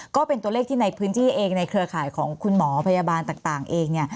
ก็เป็นตัวเลขที่ในพื้นที่เองในเครือข่ายของคุณหมอพยาบาลต่างเอง